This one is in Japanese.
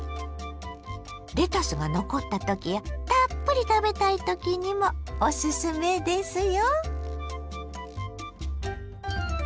レタスが残ったときやたっぷり食べたいときにもおすすめですよ。